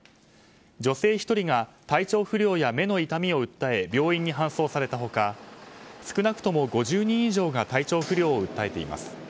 女性１人が体調不良や目の痛みを訴え病院に搬送された他少なくとも５０人以上が体調不良を訴えています。